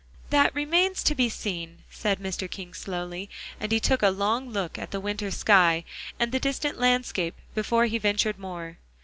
"That remains to be seen," said Mr. King slowly, and he took a long look at the winter sky, and the distant landscape before he ventured more.